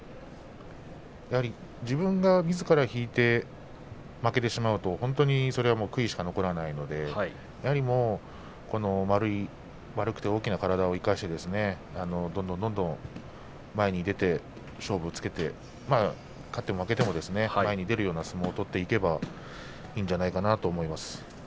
やはり自分がみずから引いて負けてしまうと本当にそれは悔いしか残らないのでやはりこの丸くて、大きな体を生かしてどんどんどんどん前に出て勝負をつけて勝っても負けても前に出るような相撲を取っていけばいいんじゃないかなと思います。